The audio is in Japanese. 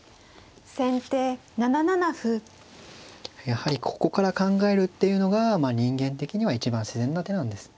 やはりここから考えるっていうのが人間的には一番自然な手なんです。